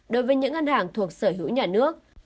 đối với những ngân hàng thuộc sở hữu nhà nước